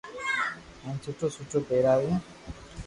ھين سٺو سٺو پيراويو